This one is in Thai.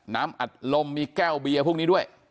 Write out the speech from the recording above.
อัดลมมีแก้วเบียร์พวกนี้ด้วย